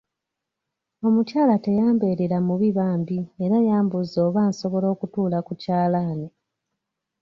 Omukyala teyambeerera mubi bambi era yambuuza oba nsobola okutuula ku kyalaani.